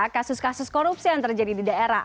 kasus kasus korupsi yang terjadi di daerah